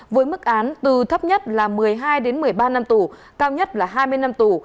với mức án từ thấp nhất là một mươi hai một mươi ba năm tù cao nhất là hai mươi năm tù